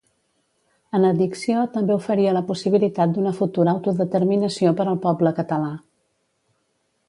En addició, també oferia la possibilitat d'una futura autodeterminació per al poble català.